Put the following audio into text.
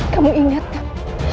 kamu ingat tak